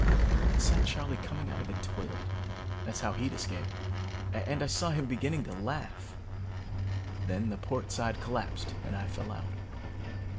I saw Charley coming out of the toilet that's how he'd escaped and I saw him beginning to laugh. Then the port side collapsed and I fell out.